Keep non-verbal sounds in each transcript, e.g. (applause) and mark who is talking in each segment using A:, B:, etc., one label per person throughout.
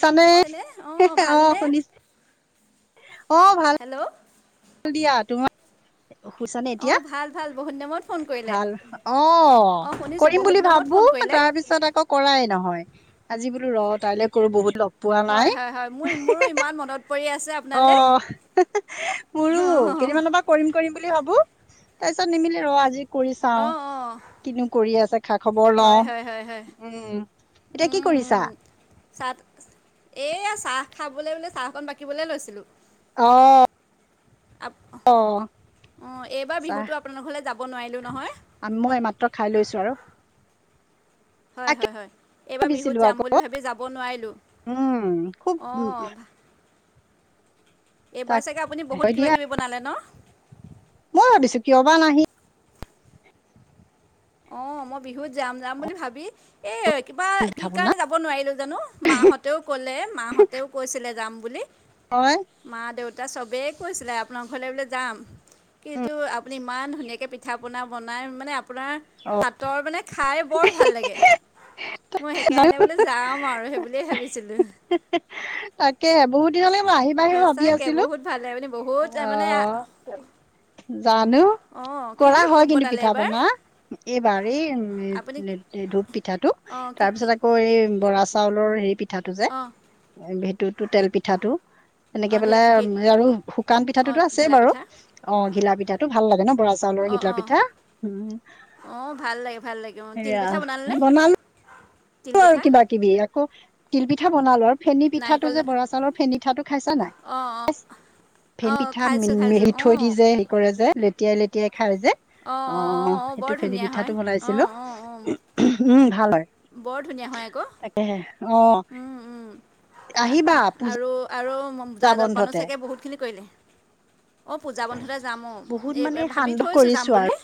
A: চানে
B: অনে অঁ
A: (unintelligible) অ
B: ভালনে
A: শুনিছ অ ভাল।
B: হেল্ল'।
A: দিয়া তোমাৰ শুইছানে এতিয়া?
B: অঁ ভাল ভাল বহুত দিনৰ মূৰত ফোন কৰিলে
A: ভাল অ
B: অঁ শুনিছোঁ
A: কৰিম
B: বহুত
A: বুলি
B: দিনৰ মূৰত
A: ভাব
B: ফোন
A: (unintelligible)
B: কৰিলে
A: তাৰ পিছত আকৌ কৰাই নহয়, আজি বোলো ৰ তাইলে কৰো বহুত লগ পোৱা
B: হয়
A: নাই
B: হয় হয় মোৰ মোৰো
A: (unintelligible)
B: ইমান মনত পৰি আছে
A: অ
B: আপোনালৈ
A: (unintelligible) মোৰো
B: অঁ
A: কেইদিনমানৰ পা
B: অঁ
A: কৰিম কৰিম বুলি ভাবো, তাপিছত নিমিলে ৰ আজি কৰি চাওঁ,
B: অঁ
A: কিনো কৰি আছে? খা খবৰ লওঁ
B: হয় হয় হয় হয়
A: উম, এতিয়া কি
B: উম,
A: কৰিছা?
B: উম। (unintelligible) এইয়া চাহ খাবলে বুলি চাহ কণ বাকিবলে লৈছিলোঁ।
A: অ।
B: অ এইবাৰ বিহুটো
A: চাহ
B: আপোনালোকৰ ঘৰলে যাব নোৱাৰিলোঁ নহয়।
A: (unintelligible) মই মাত্ৰ খাই লৈছো আৰু।
B: হয়,
A: তাকে
B: হয়, হয় এইবাৰ বিহুত
A: ভাবিছিলো
B: যাম
A: আকৌ
B: বুলি ভাবি যাব নোৱাৰিলোঁ।
A: উম খুব
B: অ
A: তাক
B: এইবাৰ চাগে আপুনি
A: হয়
B: বহুত কিবা
A: দিয়া
B: কিবি বনালে ন?
A: মই ভাবিছো কিয় বা নাহি
B: অ মই বিহুত যাম যাম বুলি ভাবি, এই কিবা কি
A: পিঠা পনা
B: কাৰণে যাব যাব নোৱাৰিলো জানো মাহঁতেও ক'লে মাহঁতেও কৈছিলে যাম বুলি।
A: হয়।
B: মা দেউতা চবেই কৈছিলে আপোনাৰ ঘৰলেবোলে যাম। কিন্তু, আপুনি ইমান ধুনীয়াকে পিঠা পনা বনাই মানে আপোনাৰ হাতৰ মানে খাই বৰ ভাল লাগে মই সেইকাৰণে বোলে যাম আৰু সেই বুলিয়ে ভাবি ছিলোঁ।
A: (inaudible) তাকে বহুত দিনলেকে মই আহিবা আহিবা ভাবি
B: সঁচাকৈ
A: আছিলো
B: বহুত ভাল লাগে মানে বহুত আহ,
A: অ
B: মানে
A: জানো?
B: অঁ কি
A: কৰা
B: কি
A: হয় কিন্তু
B: বনালে
A: পিঠা
B: এইবাৰ
A: পনা এইবাৰ এই
B: আপুনি
A: (unintelligible) ধূপ পিঠাটো।
B: অঁ কি
A: তাৰ
B: কি
A: পিছত আকৌ এই বৰা চাউলৰ হেৰি পিঠাটো
B: অহ (inaudible)
A: এইতোটো তেল পিঠাটো এনেকে
B: অঁ ঢিলা
A: পেলাই
B: ঘি
A: আৰু শুকান
B: অঁ
A: পিঠাটোতো আছেই
B: ঘিলা
A: বাৰু।
B: পিঠা
A: অ', ঘিলা পিঠাটো ভাল লাগে ন, বৰা চাউলৰ ঘিলা পিঠা।
B: অ', ভাল লাগে, ভাল লাগে, অ',
A: সেয়া
B: তিলপিঠা বনালে নে?
A: বনালো আৰু কিবা-কিবি আকৌ তিল পিঠা বনালোঁ‌ আৰু ফেনী পিঠাটো
B: নাৰিকল
A: যে বৰা চাউলৰ ফেনী পীঠাটো খাইছা
B: অঁ অঁ
A: নাই? ফেন
B: অঁ
A: পিঠা
B: খাইছোঁ খাইছোঁ অঁ
A: মি-মি-মিথৈ দি যে সেই কৰে যে লেটিয়াই লেতিয়াই খাই যে।
B: অঁ অঁ অঁ
A: অ',
B: অঁ বৰ
A: সেইটো ফেনী
B: ধুনীয়া হয়
A: পিঠাটো
B: অঁ
A: বনাইছিলোঁ‌,
B: অঁ অঁ
A: উমঁ‌ ভাল হয়।
B: বৰ ধুনীয়া হয় আকৌ।
A: তাকেহে অ',
B: উম, উম। আ-
A: আহিবা পূজ
B: আৰু আৰু ম জা-জলপানো চাগে বহুতখিনি কৰিলে? অ', পূজা বন্ধতে যাম অ',
A: বহুত
B: এই
A: মানে
B: ভাবি
A: সান্দহ
B: থৈছোঁ যাম
A: কৰিছো আৰু
B: বুলি।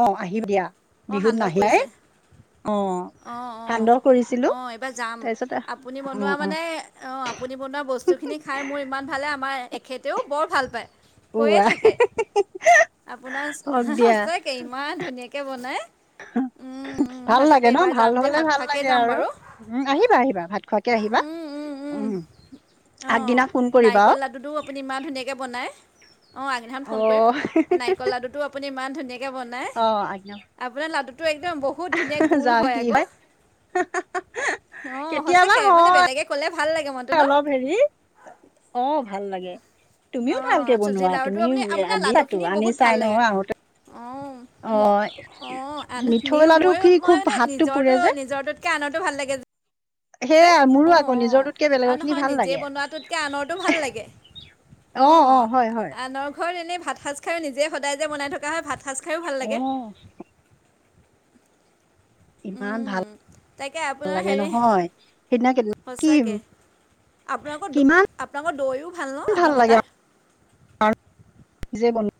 A: অ', আহিম দিয়া।
B: অ',
A: বিহুত
B: সান্দহ
A: নাহিলাই
B: কৰিছে।
A: অ
B: অ'-অ',
A: সান্দহ কৰিছিলো
B: অ', এইবাৰ যাম,
A: তাৰপিছত
B: আপুনি
A: অ
B: বনোৱা
A: অ
B: মানে অ', আপুনি বনোৱা বস্তুখিনি খাই মোৰ ইমান ভাল লাগে, আমাৰ এখেতেও বৰ ভাল পায়। কৈয়ে
A: উৱা
B: থাকে, আপোনাৰ
A: হওক দিয়া
B: স-সচাকে। ইমান ধুনীয়াকে বনাই, উম। উম,
A: ভাল
B: সঁচাকৈ
A: লাগে ন?
B: এইবাৰ
A: ভাল
B: যাম দেই
A: নহ'লে
B: ভাত
A: ভাল
B: খোৱাকৈ
A: লাগে
B: যাম
A: আৰু
B: বাৰু
A: উম, আহিবা আহিবা ভাত খোৱাকে আহিবা। উম। আগদিনা
B: অ',
A: ফোন কৰিবা অ
B: নাৰিকল লাডুটো আপুনি ইমান ধুনীয়াকে বনায়। অ', আগদিনাখন ফোন কৰিম, নাৰিকল লাডুটো আপুনি ইমান ধুনীয়াকৈ বনায়।
A: অ', আগদিনা
B: আপোনাৰ লাডুটো একদম বহু বহুত ধুনীয়া গোল
A: যাওঁ
B: হয়
A: কি
B: আকৌ, অ',
A: কেতিয়াবা
B: সঁচাকে মানে
A: হয়
B: বেলেগে ক'লে ভাল লাগে মন।
A: অলপ হেৰি, অ', ভাল লাগে। তুমিও
B: অঁ
A: ভালকে
B: চুজি
A: বনোৱা
B: লাৰুটো
A: তুমিও,
B: আপুনি
A: আ দিছাতো আনিচাই নহয় আহোঁতে।
B: অ'।
A: অ'।
B: অ', আনো
A: মিঠৈ
B: নিও
A: লাডু
B: ময়ো
A: কি
B: মই
A: খুব
B: মানে
A: হাতটো পুৰে
B: নিজৰটো,
A: যে,
B: নিজৰটোতকে আনৰতো ভাল লাগে। যে,
A: সেয়া মোৰো আকৌ নিজৰটোতকে
B: অ'-অ',
A: বেলেগৰ খিনি
B: নহয়
A: ভাল
B: নিজে
A: লাগে।
B: বনোৱাটোতকে আনৰটো ভাল লাগে। অ', আনৰ ঘৰত এনেই ভাত সাজ খাইও নিজে সদায় যে বনাই থকা হয় ভাত সাজ খায়ো ভাল লাগে
A: অ'। ইমান
B: উম,
A: ভাল,
B: তাকে
A: ভাল
B: আপোনাৰ
A: লাগে
B: হেৰি
A: নহয় সেইদিনা কেইদিনমান কি
B: সঁচাকৈ আপোনালোকৰ দ,
A: কিমান
B: আপোনালোকৰ দৈও ভাল ন আপোনালোকৰ তাৰ?
A: কাৰ, নিজে বনো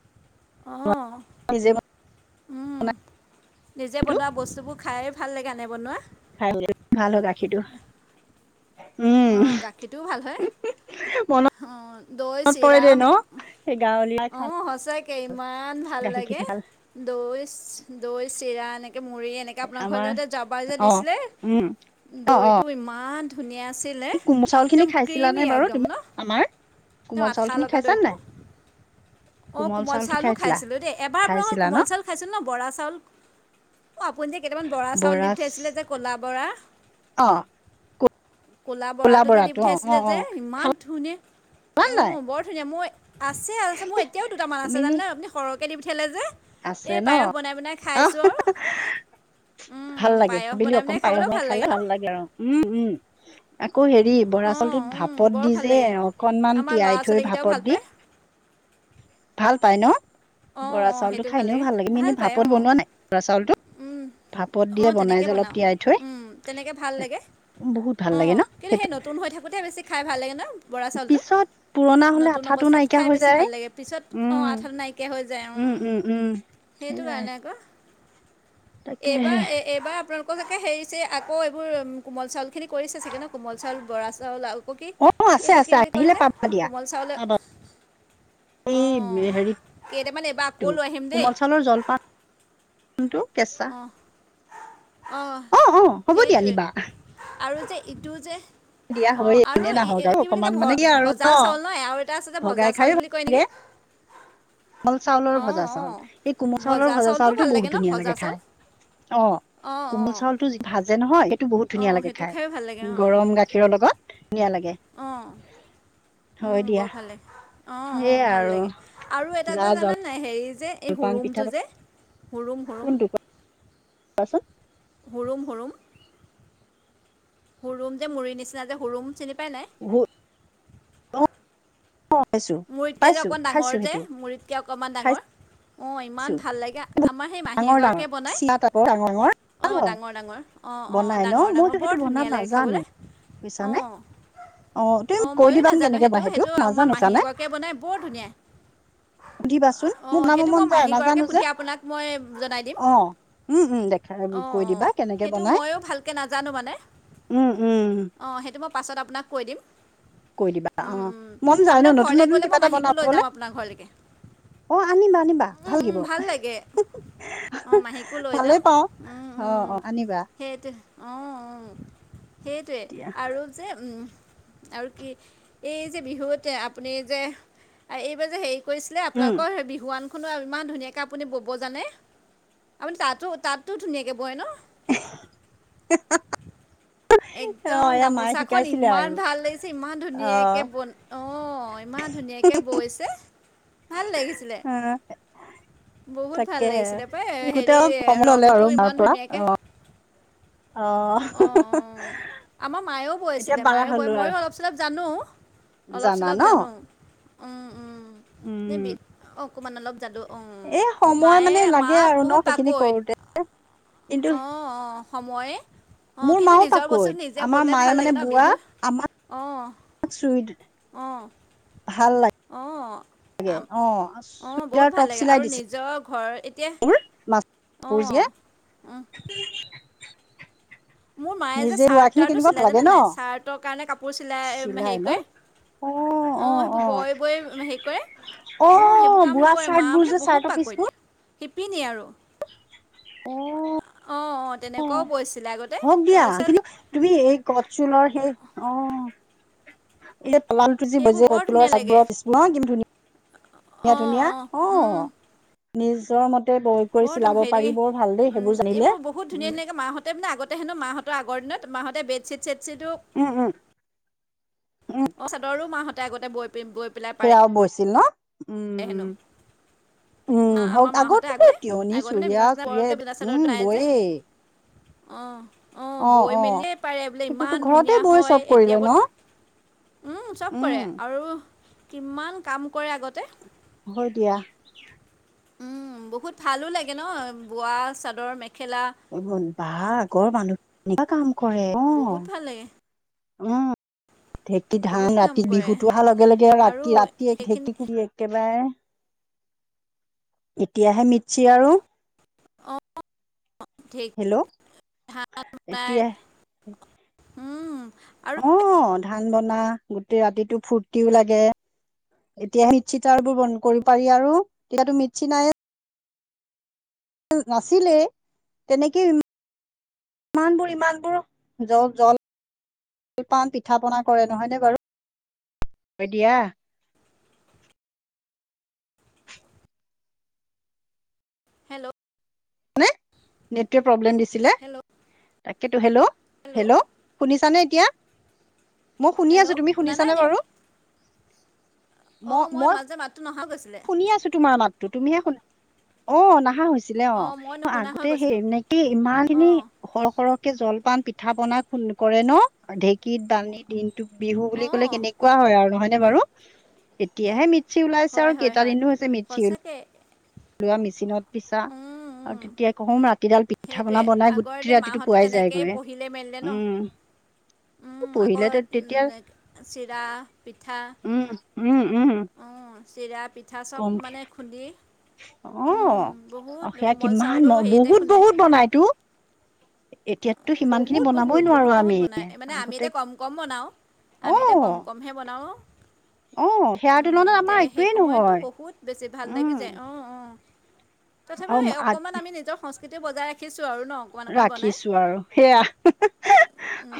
B: অ'।
A: নিজে বনো
B: উম, নিজে বনোৱা বস্তুবোৰ খায়ে ভাল লাগে, আনে বনোৱা।
A: খাই (unintelligible) ভাল হয় গাখীৰটো। উম,
B: অ', গাখীৰটো ভাল হয়
A: মনত
B: অ', দৈ,
A: পৰে
B: চিৰা
A: দেই ন? সেই গাঁৱলীয়া
B: অ', সচাঁকে ইমান ভাল
A: গাখীৰ
B: লাগে।
A: খিনি ভাল,
B: দৈ, দৈ, চিৰা এনেকে, মুড়ি এনেকে। নেকে আপোনাৰ
A: আমাৰ
B: ঘৰলে যাওঁতে যে
A: অ',
B: দিছিলে
A: উম,
B: দৈ টো ইমান ধুনীয়া আ ছিলে,
A: এই কোমল চাউল খিনি
B: একদম
A: খাইছিলানে
B: ক্ৰিমি
A: বাৰু
B: একদম
A: তুমি?
B: ন?
A: আমাৰ।
B: তেওঁ
A: কোমল চাউল
B: আঠা
A: খিনি
B: লগা
A: খাইছা
B: দৈটো।
A: নাই
B: অঁ কোমল
A: চাউল খিনি
B: চাউলো
A: খাইছিলা
B: খাইছিলোঁ দেই এবাৰ আপোনাৰ
A: খাইছিলা ন
B: কোমল চাউল খাইছিলো ন বৰা চাউল। অঁ আপুনি যে কেইটামান বৰা চাউল দি পঠিয়াইছিলে যে ক'লা বৰা।
A: অ
B: কলা বৰাটো যে দি
A: অ অ
B: পঠাইছিলে
A: অ
B: যে ইমান ধুনীয়া।
A: খোৱা
B: উ
A: নাই
B: বৰ ধুনীয়া মই আছে আছে মই এতিয়াও দুটামান আছে
A: তুমি
B: জানে
A: নি?
B: নে আপুনি সৰহকে দি পঠিয়ালে যে।
A: আছে
B: এই
A: ন
B: পায়স বনাই বনাই
A: আহ
B: খাইছো আউ উম।
A: ভাল লাগে আবেলি অকণ পায় সময় খালে ভাল লাগে আৰু উম উম আকৌ হেৰি। বৰা
B: অঁ
A: চালটোত ভাপত
B: বৰ
A: দি
B: ভাল
A: যে
B: লাগে
A: অকনমান
B: আমাৰ
A: তিয়াই
B: ল'ৰা
A: থৈ
B: ছোৱালীকেইটাও
A: ভাপত
B: ভাল
A: দি।
B: পায়
A: ভাল পাই ন।
B: অ
A: বৰা
B: অ
A: চাউলটো
B: সেইটো
A: খাই
B: ভাল
A: এনেও
B: লাগে
A: তুমি
B: ভাল
A: এনে
B: পায়
A: ভাপত
B: অ
A: বনোৱা নাই চাউলটো
B: উম।
A: ভাপত
B: অ
A: দিয়ে বনাই
B: তেনেকে
A: যে অলপ
B: বনাও
A: তিয়াই থৈ
B: উম তেনেকে ভাল লাগে।
A: বহুত ভাল
B: অ
A: লাগে ন
B: কিন্তু সেই
A: সেইটো
B: নতুন হৈ থাকোতে বেছি খাই ভাল লাগে ন। বৰা চাউলটো
A: পিছত পুৰণা হলে
B: নতুন
A: আঠাটো
B: অৱস্থাত
A: নাইকিয়া
B: খাই
A: হৈ
B: বেছি
A: যায়
B: ভাল লাগে পিছত অঁ
A: উম
B: আঠাটো নাই। যায় উম সেইটো
A: সেয়াই
B: কাৰণে। ক এইবাৰ
A: তাকেহে।
B: এ এইবাৰ আপোনালোক। আকৌ চাগে হেৰি আকৌ এইবোৰ কোমল চাউলখিনি কৰিছে চাগে ন কোমল চাউল বৰা চাউল আৰু। অ কি
A: আছে
B: এইটো কি
A: আছে
B: বুলি কয়
A: আহিলে
B: যে
A: পাবা দিয়া।
B: কোমল চাউলে।
A: পাবা
B: অ কেইটামান এইবা।
A: টো কোমল চাউলৰ জলপানটো কেঁচা।
B: অ
A: অ' হ'ব দিয়া
B: সেইটোৱে
A: নিবা
B: আৰু যে ইটো যে।
A: দিয়া
B: অ
A: হয়
B: আৰু
A: এনে
B: ই
A: নাহক
B: এ
A: আৰু
B: কি বুলি
A: অকমান
B: কয় ভ
A: মানে কি আৰু
B: ভজা চাউল ন আৰু এটা আছে যে
A: ভগাই
B: ভজা
A: খাই
B: চাউল
A: ভাল
B: বুলি কয় নিকি।
A: লাগে
B: উ। (inaudible)
A: কোমল চাউলৰ ভজা চাউল এই কোমল চাউলৰ ভজা চাউলটো
B: ভাল
A: বহুত
B: ন
A: ধুনীয়া
B: ভজা
A: লাগে
B: চাউল
A: খাই। অ
B: অঁ
A: কোমল
B: অঁ
A: চাউলটো যি ভাজে নহয় এইটো বহুত
B: অঁ
A: ধুনীয়া লাগে
B: সেইটো
A: খাই
B: খায়ো ভাল লাগে অঁ
A: গৰম গা। খীৰ লগত ধুনিয়া লাগে।
B: অঁ
A: হয়
B: উম
A: দিয়া
B: বৰ ভাল লাগে অ অ
A: সেইয়া
B: ভাল
A: আৰু
B: লাগে আৰু এটা
A: জা
B: যে জানা। নাই হেৰি যে এই
A: জলপান পিঠা
B: হুৰুমটো যে হুৰুম হুৰুম।
A: পাছত।
B: হুৰুম হুৰুম। হুৰুম যে মুৰি নিচিনা যে হুৰুম চিনি পাই নাই।
A: হু (inaudible) পাইছো
B: মূৰিতকে যে
A: পাইছো
B: অকণ
A: খাইছো
B: ডাঙৰ যে
A: সেইটো
B: মুৰিতকে অকণমান
A: খাই
B: ডাঙৰ অঁ
A: ছো
B: ইমান ভাল লাগে। আমাৰ সেই মাহী
A: ডাঙৰ ডাঙৰ
B: এগৰাকীয়ে
A: চিৰা টাইপৰ ডাঙৰ ডাঙৰ
B: বনায়
A: ভাল
B: অঁ
A: হয়
B: ডাঙৰ ডাঙৰ। অঁ অঁ
A: বনাই ন
B: ডাঙৰ
A: মইতো
B: ডাঙৰ
A: সেইটো
B: বৰ
A: বনাব
B: ধুনীয়া লাগে
A: নাজানো
B: খাবলে
A: বুইছানে
B: অঁ। অ
A: তুমি কৈ
B: ময়ো
A: দিবাচোন
B: নাজানো
A: কেনেকে
B: সেইটো
A: বনাই
B: সেইটো আমাৰ
A: নাজানো
B: মাহী
A: বুইছানে
B: এগৰাকীয়ে বনাই বৰ ধুনীয়া।
A: সুধিবাচোন মোৰ
B: অঁ
A: বনাব
B: সেইটো
A: মন
B: মই
A: যায় নাজানো
B: মাহীগৰাকীয়ে
A: যে
B: সুধি আপোনাক মই জনাই দিম।
A: অ উম উম দেখা
B: অঁ
A: কৈ
B: অঁ
A: দিবা কেনেক।
B: সেইটো ময়ো ভালকে নাজানো মানে
A: উম উম
B: অঁ সেইটো মই পাছত আপোনাক কৈ দিম।
A: কৈ দিবা অ মন যায় ন নত।
B: ঘৰলে গ'লে মই মাহীকো লৈ যাম আপোনাৰ ঘৰলেকে।
A: অ আনিবা আনিবা ভাল লাগিব
B: লাগে অঁ মাহীকো লৈ
A: ভালেই পাওঁ। অ অ আনিবা।
B: সেইটোৱ অ অঁ সেইটোৱে
A: এতিয়া
B: আৰু। যে উম আৰু কি এই যে বিহুতে আপ আপুনি যে এইবাৰ যে হেৰি কৰিছিলে
A: উম
B: আপোনালোকৰ বিহুৱান। তো ইমান ধুনীয়াকৈ আপুনি বব জানে আপুনি তাতো তাতো ধুনীয়াকৈ বয় ন।
A: (unintelligible) অ
B: একদম
A: এয়া মায়ে
B: গামোচাখন
A: শিকাইছিলে
B: ইমান
A: আৰু
B: ভাল লাগিছে ইমান
A: অ
B: ধুনীয়াকৈ বন অঁ ইমান ধুনীয়াকৈ। বৈছে ভাল লাগিছিলে
A: অ
B: বহুত ভাল
A: তাকেহে
B: লাগিছিলে পাই
A: শিকোতে
B: হেৰি
A: সময় ললে
B: ৰংটো
A: আৰু মাৰ
B: ইমান
A: পৰা
B: ধুনীয়াকে।
A: অ।
B: অঁ অঁ আমাৰ মায়েও বৈ
A: এতিয়া
B: আছিলে
A: পাৰা
B: মায়েও বয়
A: হলো
B: ময়ো অলপ চলপ জানো।
A: আৰু
B: অলপ
A: জানা
B: চলপ
A: ন
B: জানো উম উম নে
A: উম
B: বি অ অকমান অলপ জানো। অ
A: এ সময়
B: মায়ে
A: মানে
B: মা
A: লাগে আৰু ন
B: বহুত
A: সেইখিনি
B: ফাকৈত
A: কৰোতে কিন্তু
B: অঁ অঁ। সময়ে। অঁ
A: মোৰ
B: কিন্তু
A: মাও
B: নিজৰ
A: পাকৈত
B: বস্তুটো নিজে
A: আমাৰ
B: ব'লে ভাল
A: মায়ে
B: লাগে
A: মানে
B: ন
A: বোৱা
B: বিহু অঁ
A: আমাৰহ
B: অঁ
A: (inaudible) ভাল লাগিছিলে।
B: অঁ অঁ বহুত
A: চুইদাৰ
B: ভাল লাগে আৰু নিজৰ ঘৰ এতিয়া।
A: (inaudible) মাছ।
B: অ উ। মোৰ মায়ে যে
A: নিজে বোৱা
B: চাৰ্ট
A: খিনি
B: তাৰ্টো
A: কেনেকুৱা ভাল
B: চিলাই
A: লাগে
B: জানে
A: ন
B: নাই চাৰ্টৰ কাৰণে কাপোৰ চিলাই হেৰি কৰে।
A: অ অ
B: অঁ
A: অ
B: সেইবোৰ বয় বয় হেৰি কৰে। অঁ সেইবোৰ
A: অ
B: কাম
A: বোৱা
B: কৰে
A: চাৰ্ট
B: মা
A: বোৰ
B: মানে
A: যে
B: বহুত
A: চাৰ্টৰ পিচবোৰ
B: পাকৈত শিপিনী আৰু।
A: অঁ অক।
B: অঁ অঁ তেনেকুৱাও পৰিছিলে আগত
A: হওক দিয়া এইকিনি তুমি এই গত চুলৰ সেই অঁ এত লাল টোজি
B: সেইবোৰ
A: বজি
B: বৰ
A: পতলৰ
B: ধুনীয়া লাগে
A: চাতবোৰৰ পিছু ন কি ধুনীয়া।
B: (unintelligible)
A: ধুনীয়া ধুনীয়া অঁ নিজৰ মতে বৈ কৰি
B: বৰটো
A: চিলাব
B: হেৰি
A: পাৰি বৰ ভাল দেই
B: উম
A: সেইবোৰ জানিলে।
B: এইবোৰ বহুত
A: উম
B: ধুনীয়া ধুনীয়াকে মাহঁত তেমেনে আগতেহেনো মাহঁতৰ আগৰ দিনত মাহঁতে বেডচিট ছেডচিদো
A: উম! উম! উম!
B: অঁ চাদৰো মাহঁতে আগতে বৈ পি বৈপ
A: সেয়াও বৈছিল ন
B: হেনো
A: উমম।
B: মা
A: উম! হওক
B: আমাৰ মাহঁতে
A: আগতোতো
B: আগতে
A: তিয়নি
B: আগতে মানে
A: চুৰিয়া
B: বিছনা চিছনা
A: টুৰিয়া
B: বৰকৈ বিছনা চাদৰ
A: উম
B: নাই যে
A: বয়েই।
B: অঁ অঁ বৈ মেলিয়েই পাৰে বোলে
A: সেইবোৰতো
B: ইমান
A: ঘৰতে
B: ধুনীয়া
A: বৈ চব
B: হয়
A: কৰি লয়
B: এতিয়া
A: ন?
B: বত উম চব কৰে আৰু কিমান কাম কৰে আগতে।
A: হয় দিয়া।
B: উম বহুত ভালো লাগে ন বোৱা চাদৰ মেখেলা
A: এভোন বাহ আগৰ মানুহ কেনেকা কাম কৰে অঁ!
B: বহুত ভাল লাগে
A: অঁ ঢেঁকীত ধান
B: বহুত কাম
A: ৰাতিৰ
B: কৰে
A: বিহুতো হা লগে লগে
B: আৰু
A: ৰাতি ৰাতি এক
B: সেইখিনি
A: ঢেঁকী দিয়ে। একেবায়ে এতিয়াহে মিতচি আৰু।
B: অঁ ধেইক
A: হেল্ল'
B: ধাঁ নোলাই।
A: এতিয়া
B: উম! আৰু
A: অঁ ধান বনা গোটেই ৰাতিটো ফূৰ্তিও লাগে। এতিয়া সি চিতাৰ বোৰ বন কৰি পাৰি আৰু তেতিয়াতো মিতচি নায়ে। টো নাছিলে তেনেকেই ৰু মান বোৰ ইমান বোৰ জ জল পান পিঠা পনা কৰে নহয়নে বাৰু? হয় দিয়া।
B: হেল্ল'।
A: নে নেটটোৱে প্ৰব্লেম দিছিলে।
B: হেল্ল'
A: তাকেতো হেল্ল' হেল্ল' শুনিছানে এতিয়া? মই শুনি আছো
B: হেল্ল'
A: তুমি
B: শুনা নাই
A: শুনিছানে বাৰু?
B: অ মই মাজে মাততো নহা গৈছিলে।
A: শুনি আছো তোমাৰ মাততো তুমিহে শুন অ নাহা হৈছ ছিলে
B: অঁ মই
A: অ
B: নুশুনা হৈ
A: আগতে
B: গৈছিলোঁ
A: সেই (unintelligible) ইমা
B: অঁ
A: (unintelligible) সৰহ সৰহকে জলপান পিঠা পনা খুন কৰে ন? ঢেকীত বানি দিন বিহু বুলি
B: অঁ
A: ক'লে কেনেকুৱা হয় আৰু নহয়নে বাৰু? এতিয়াহে মিতচি ওলাইছে
B: হয়
A: আৰু
B: হয়
A: কেইটা
B: হয়
A: দিননো হৈছে মিতচি উল
B: সঁচাকে
A: লোৱা মিচিনত পিছা
B: উম
A: আৰু
B: উম
A: তেতিয়া কম ৰাত তিডাল পিঠা
B: সেইটোৱে
A: পনা বনাই
B: আগৰ
A: গোটেই
B: এতিয়া
A: ৰাতিটো
B: মাহঁতে
A: পোৱাই
B: তেনেকেই
A: যায়গৈ
B: পঢ়িলে মেলিলে ন
A: উম।
B: উম, আকৌ
A: পঢ়িলে তেতিয়া
B: নে চিৰা পিঠা
A: উম, উম, উম‌।
B: অ চিৰা পিঠা চব মানে খুন্দি
A: অ
B: উম, বহুত
A: অ সেয়া
B: কোমল
A: কিমান
B: চাউলো হেয়িয়াতে
A: বহুত
B: খুন্দে।
A: বহুত বনাইতো এতিয়াতো সিমান খিনি
B: বহুত
A: বনাবই
B: বহুত
A: নোৱাৰো
B: বহুত বহুত
A: আমি
B: বনাই মানে আমি
A: আগতে
B: এতিয়া কম কম বনাও। আমি তেয়া
A: অ
B: কম কমহে বনাও।
A: অ সেয়াৰ তুলনাত আমা
B: সেই
A: একোৱেই
B: সময়ততো
A: নহয়।
B: বহুত বেছি ভাল লাগি যায় অ
A: উম
B: অ তথাপিও এ
A: আৰু
B: অকণমান আমি নিজৰ সংস্কৃতি বজাই ৰাখিছো আৰু ন। অকণমান অকণমান বনাই
A: ৰাখিছো আৰু সেয়া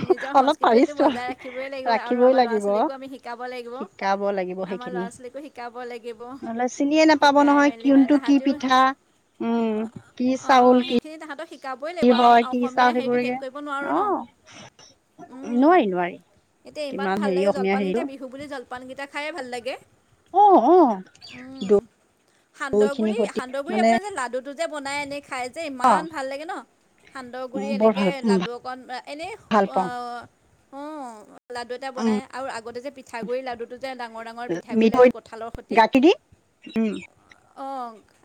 A: (unintelligible) অলপ পাৰিছো আ
B: শিকিবই লাগিব আৰু আমাৰ ল'ৰা ছোৱালীকো আমি শিকাব লাগিব।
A: শিকাব লাগিব
B: আমাৰ ল'ৰা
A: সেইখিনি
B: ছোৱালীকো শিকাব লাগিব
A: ন'হলে চিনিয়ে নেপাব
B: শিকাই
A: নহয়
B: মেলি মানে
A: কিনটো কি
B: তাহাঁতেও
A: পিঠা। উম, কি
B: অঁ
A: চাউল কি
B: সেইখিনি তাহাঁতক শিকাবই
A: কি
B: লাগিব
A: হয়
B: (unintelligible)
A: কি
B: অসমীয়া
A: চাউল
B: হেৰিটো শেষ
A: সেইবোৰকে
B: কৰিব নোৱাৰোঁ
A: অ
B: ন। উম,
A: নোৱাৰি নোৱাৰি
B: এতিয়া ইমান
A: কিমান
B: ভাল
A: হেৰি
B: লাগে
A: অসমীয়া
B: জলপান
A: হেৰিও
B: এতিয়া বিহু বিহু বুলি জলপান গিতা খায়ে ভাল লাগে।
A: অ অ দৈ খিনি
B: সান্দগুৰি
A: সতি
B: সান্দহগুৰি
A: মানে
B: আপোনাৰ যে লাডুটো যে বনাই এনেই খাই যে ইমান ভাল লাগে ন। সান্দহ গুৰি
A: বৰ
B: এনেকে
A: ভাল
B: লাডু অকণ এনেই
A: ভাল পাওঁ
B: (unintelligible) অঁ লাডু এটা
A: উম
B: বনাই আৰু আগতে যে পিঠাগুৰি লাডুটো যে ডাঙৰ ডাঙৰ ডাঙৰ পিঠাগুৰি
A: মিঠৈ
B: লাডু কঁঠালৰ সতি
A: গাখীৰ দি
B: অ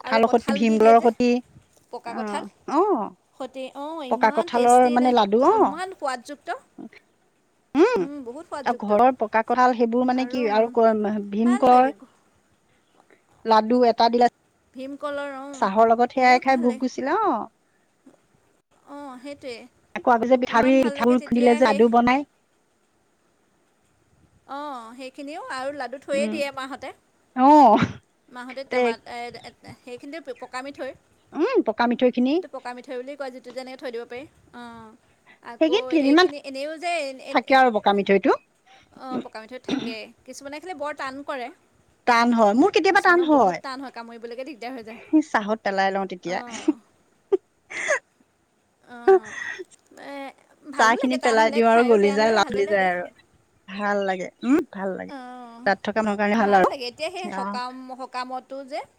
A: কঠালৰ সতি (unintelligible) সতি আ অ
B: সতে অ
A: পকা
B: ইমান
A: কঁঠালৰ
B: টেষ্টি ন
A: মানে লাডু অ
B: ইমান সোৱাদযুক্ত।
A: উম,
B: বহুত
A: আউ
B: সোৱাদযুক্ত
A: ঘৰৰ পকা কঁঠাল সেইবোৰ মানে কি আৰু (unintelligible) ভীম
B: ভাল লাগে ঘ-
A: (unintelligible) লাডু এটা দিলা
B: ভীমকলৰ অ।
A: চাহৰ লগত সেয়াই খাই ভোক গুছিলে অ।
B: অ সেইটোৱে।
A: (inaudible)
B: ইমান ভাল লাগে
A: পিঠাগুড়ি (inaudible) খুন্দিলে
B: তেতিয়া
A: যে
B: সেই
A: লাডু বনাই
B: অ সেইখিনিও আৰু লাডু থৈয়েই
A: উম
B: দিয়ে মাহঁতে।
A: অ।
B: মাহঁতে
A: তে
B: টেমা এ- এ- সেইখিনিতে পকা মিথৈ।
A: উম, পকা মিঠৈ খিনি-
B: এইটো পকা মিঠৈ বুলি কয় যিটো এনেকে থৈ দিব পাৰি অঁ। আকৌ
A: সেইকেই কেইদিনমান
B: এইখিনি এনেইও যে
A: থাকে
B: এ-এ-এ-
A: আৰু পকা মিঠৈটো
B: অঁ, পকা মিঠৈ থাকে কিছুমানে খালি বৰ টান কৰে।
A: টান হয়, মোৰ- কেতিয়াবা টান
B: কিছুমানৰ বহুত
A: হয়
B: টান কামুৰিবলৈকে দিগদাৰ হৈ যায়
A: চাহত পেলাই লওঁ তেতিয়া।
B: অঁ অঁ
A: (unintelligible)
B: এ-
A: চাহ
B: ভালো লাগে
A: খিনিত
B: টান
A: পেলাই
B: হ'লে
A: দিওঁ আৰু
B: খায়ো
A: গলি
B: বেয়া
A: যায়
B: নালাগে ভালেই
A: লওলি
B: লাগে
A: যায় আৰু ভাল লাগে উম। ভাল লাগে
B: অঁ,
A: তাত থকা মানুহৰ কাৰণে
B: ভাল
A: আৰু
B: লাগে। এতিয়া সেই সকাম সকামতো যে-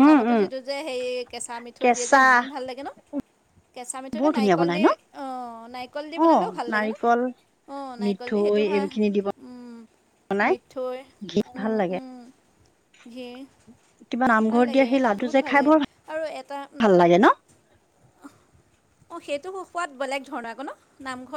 A: উম উম
B: যিটো যে সেই- কেঁচা মিঠৈ দিয়ে যে
A: কেঁচা
B: ইমান ভাল লাগে ন। কেঁচা মিঠৈটো
A: বৰ ধুনীয়া
B: নাৰিকল
A: বনাই
B: দি
A: ন
B: অঁ, না- নাৰিকল দি
A: অ',
B: বনালেও ভাল লাগে ন।
A: নাৰিকল,
B: অঁ, নাৰিকল দি
A: মিঠৈ
B: সেইটো ভাল
A: এইখিনি দি
B: উম।
A: বনাই
B: মিঠৈ
A: ভাল লাগে।
B: উম-উম, ঘি।
A: কিবা নামঘৰত দিয়া সেই লাডু যে খাই বৰ
B: আৰু এটা
A: ভাল লাগে ন?
B: অঁ, সেইটো সোৱাদ বেলেগ ধৰণৰ আক ন। নামঘৰত-